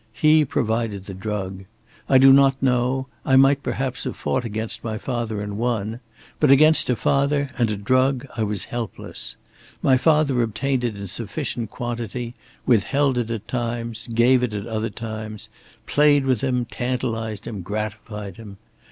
He provided the drug. I do not know I might perhaps have fought against my father and won. But against my father and a drug I was helpless. My father obtained it in sufficient quantity, withheld it at times, gave it at other times, played with him, tantalized him, gratified him.